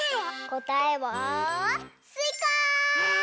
こたえはすいか！